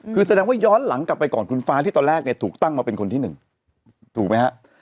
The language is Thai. คือแสดงว่าย้อนหลังกลับไปก่อนคุณฟ้าที่ตอนแรกเนี่ยถูกตั้งมาเป็นคนที่หนึ่งถูกไหมฮะ